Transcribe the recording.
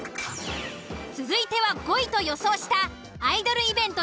続いては５位と予想したアイドルイベント